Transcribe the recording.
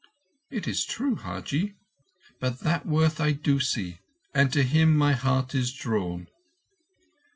"It is true, Hajji; but that worth do I see, and to him my heart is drawn."